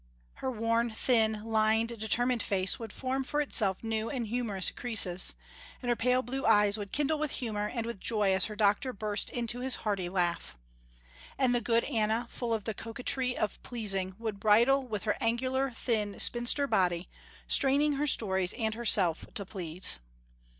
Her worn, thin, lined, determined face would form for itself new and humorous creases, and her pale blue eyes would kindle with humour and with joy as her doctor burst into his hearty laugh. And the good Anna full of the coquetry of pleasing would bridle with her angular, thin, spinster body, straining her stories and herself to please.